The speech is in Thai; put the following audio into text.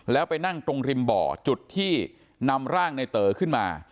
แล้วไปนั่งตรงริมบ่อจุดที่นำร่างในเต๋อขึ้นมา